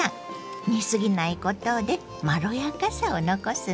煮すぎないことでまろやかさを残すのよ。